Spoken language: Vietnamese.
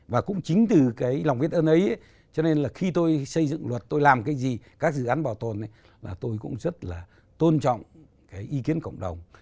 và cũng chính từ cái lòng biết ơn ấy cho nên là khi tôi xây dựng luật tôi làm cái gì các dự án bảo tồn là tôi cũng rất là tôn trọng cái ý kiến cộng đồng